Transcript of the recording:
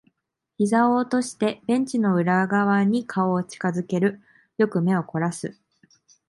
膝を落としてベンチの裏側に顔を近づける。よく目を凝らす。